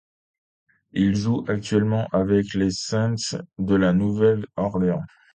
Il joue actuellement avec les Saints de La Nouvelle-Orléans.